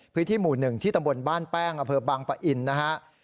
พื้นที่หมู่๑ที่ตำบลบ้านแป้งอเภอบางปะอินนะฮะ